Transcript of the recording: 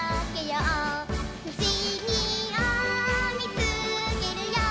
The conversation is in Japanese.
「ふしぎをみつけるよ」